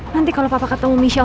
bentar ya papa ke wc dulu ya